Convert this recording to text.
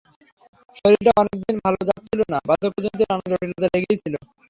শরীরটা অনেক দিনই ভালো যাচ্ছিল না, বার্ধক্যজনিত নানা জটিলতা লেগেই ছিল।